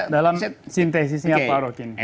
dalam sintesisnya pak rokin